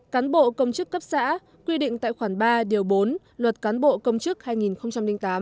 cán bộ công chức cấp xã quy định tại khoản ba điều bốn luật cán bộ công chức hai nghìn tám